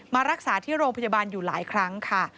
มารักษาที่โรงพยาบาลอยู่หลายครั้งค่ะ